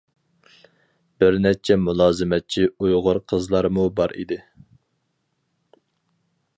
بىر نەچچە مۇلازىمەتچى ئۇيغۇر قىزلارمۇ بار ئىدى.